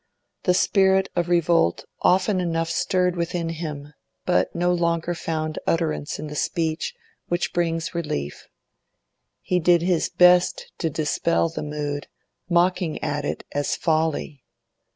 The spirit of revolt often enough stirred within him, but no longer found utterance in the speech which brings relief; he did his best to dispel the mood, mocking at it as folly.